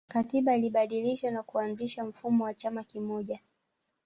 katiba ilibadilishwa na kuanzisha mfumo wa chama kimoja